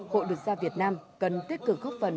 hội luật gia việt nam cần tích cực góp phần